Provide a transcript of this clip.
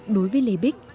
đối với lê bích